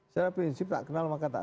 secara prinsip tak kenal maka tak